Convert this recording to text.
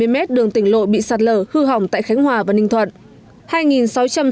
một trăm bảy mươi m đường tỉnh lộ bị sạt lở hư hỏng tại khánh hòa và ninh thuận